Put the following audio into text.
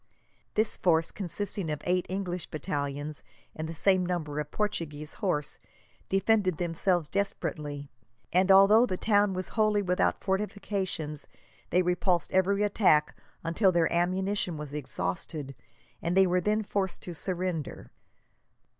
This force, consisting of eight English battalions and the same number of Portuguese horse, defended themselves desperately, and although the town was wholly without fortifications, they repulsed every attack until their ammunition was exhausted, and they were then forced to surrender.